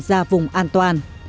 ra vùng an toàn